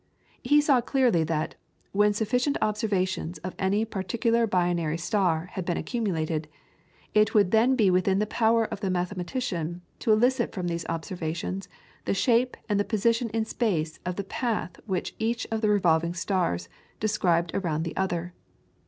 He saw clearly that, when sufficient observations of any particular binary star had been accumulated, it would then be within the power of the mathematician to elicit from those observations the shape and the position in space of the path which each of the revolving stars described around the other.